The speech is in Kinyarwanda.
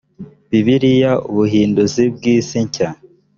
bibiliya ubuhinduzi bw isi nshya